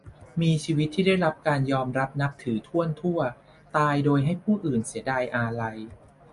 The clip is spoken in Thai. มีชีวิตที่ได้รับการยอมรับนับถือถ้วนทั่ว ตายโดยให้ผู้อื่นเสียดายอาลัย